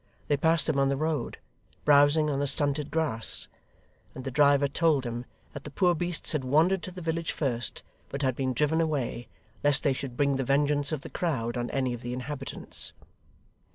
They passed them on the road, browsing on the stunted grass; and the driver told them, that the poor beasts had wandered to the village first, but had been driven away, lest they should bring the vengeance of the crowd on any of the inhabitants.